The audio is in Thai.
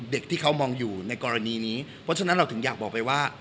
เด็กที่เขามองอยู่ในกรณีนี้เพราะฉะนั้นเราถึงอยากบอกไปว่า